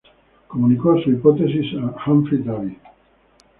Comunicó su hipótesis a Humphry Davy.